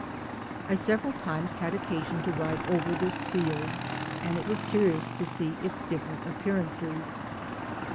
I several times had occasion to ride over this field, and it was curious to observe its.difierent' appearances.